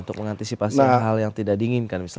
untuk mengantisipasi hal yang tidak diinginkan misalnya